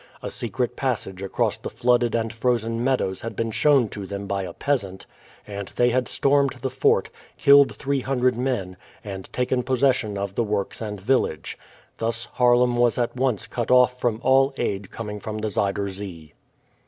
A secret passage across the flooded and frozen meadows had been shown to them by a peasant, and they had stormed the fort, killed three hundred men, and taken possession of the works and village. Thus Haarlem was at once cut off from all aid coming from the Zuider Zee.